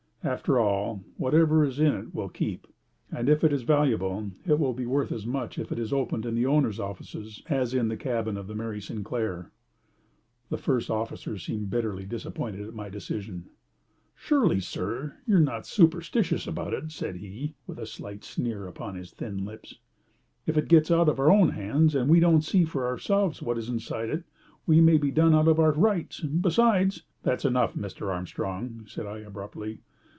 After all, whatever is in it will keep, and if it is valuable it will be worth as much if it is opened in the owner's offices as in the cabin of the Mary Sinclair." The first officer seemed bitterly disappointed at my decision. "Surely, sir, you are not superstitious about it," said he, with a slight sneer upon his thin lips. "If it gets out of our own hands, and we don't see for ourselves what is inside it, we may be done out of our rights; besides " "That's enough, Mr. Armstrong," said I, abruptly.